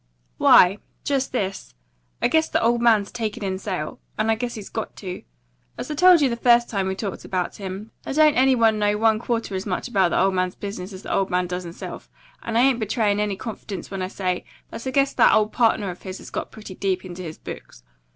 "Why, just this: I guess the old man's takin' in sail. And I guess he's got to. As I told you the first time we talked about him, there don't any one know one quarter as much about the old man's business as the old man does himself; and I ain't betraying any confidence when I say that I guess that old partner of his has got pretty deep into his books.